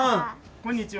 こんにちは。